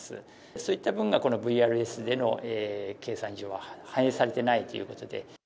そういった分が、このＶＲＳでの計算上は反映されていないということで。